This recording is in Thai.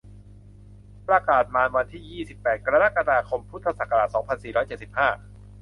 ประกาศมาณวันที่ ยี่สิบแปด กรกฎาคม พุทธศักราช สองพันสี่ร้อยเจ็ดสิบห้า